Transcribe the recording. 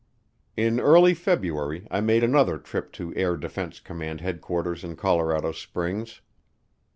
In early February I made another trip to Air Defense Command Headquarters in Colorado Springs.